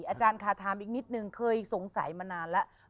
อาจารย์ค่ะถามอีกนิดนึงเคยสงสัยมานานแล้ว